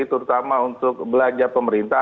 terutama untuk belanja pemerintah